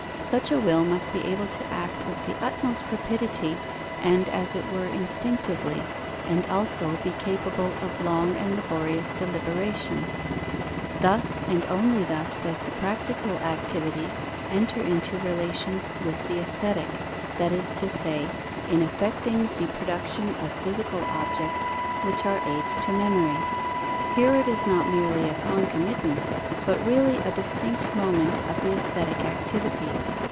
Such a will must be able to act with the utmost rapidity, and as it were instinctively, and also be capable of long and laborious deliberations. Thus and only thus does the practical activity enter into relations with the aesthetic, that is to say, in effecting the production of physical objects, which are aids to memory. Here it is not merely a concomitant, but really a distinct moment of the aesthetic activity.